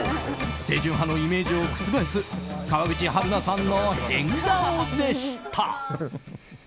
清純派のイメージを覆す川口春奈さんの変顔でした。